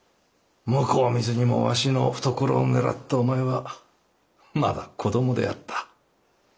向こう見ずにもわしの懐を狙ったお前はまだ子供であった。